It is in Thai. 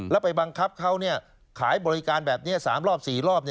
แล้วไปบังคับเขาขายบริการแบบนี้๓รอบ๔รอบ